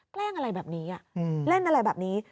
แกล้งอะไรแบบนี้เล่นอะไรแบบนี้